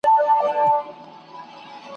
په پرون پسي چي نن راغی سبا سته !.